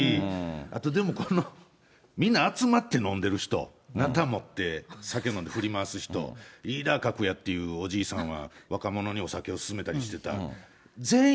あとでも、この、みんな集まって飲んでる人、なた持って酒飲んで振り回す人、リーダー格やっているおじいさんは、若者にお酒を勧めたりしてた。